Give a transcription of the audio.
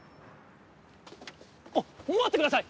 あっ待ってください！